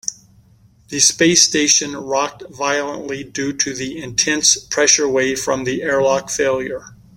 The space station rocked violently due to the intense pressure wave from the airlock failure.